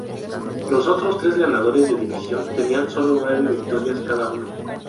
Los otros tres ganadores de división tenían sólo nueve victorias cada uno.